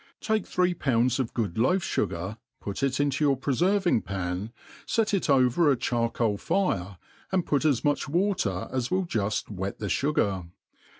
Take thee pounds of good loaf fhgar, put it into yout pre£enrtng»pan, <et it over a charcoal fire, and put as much water as will juflf wet the fugar.